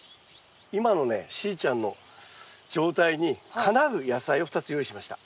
今のねしーちゃんの状態にかなう野菜を２つ用意しました。